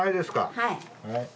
はい。